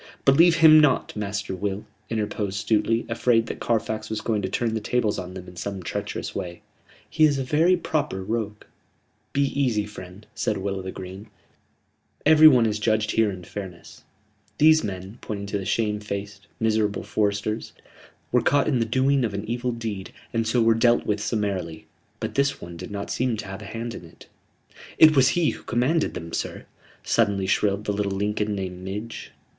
"Believe him not, Master Will," interposed Stuteley, afraid that Carfax was going to turn the tables on them in some treacherous way. "He is a very proper rogue." "Be easy, friend," said Will o' th' Green. "Every one is judged here in fairness. These men," pointing to the shamefaced, miserable foresters, "were caught in the doing of an evil deed, and so were dealt with summarily. But this one did not seem to have a hand in it." "It was he who commanded them, sir," suddenly shrilled the little Lincoln named Midge.